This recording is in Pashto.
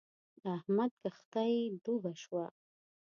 د احمد کښتی ډوبه شوه.